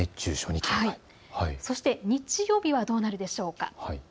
そして日曜日はどうなるでしょうか。